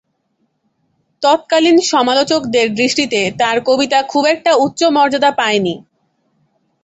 তৎকালীন সমালোচকদের দৃষ্টিতে তার কবিতা খুব একটা উচ্চ মর্যাদা পায়নি।